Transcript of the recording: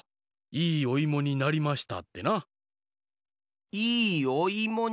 いいおいもになりました。